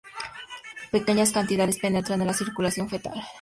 Pequeñas cantidades penetran a la circulación fetal.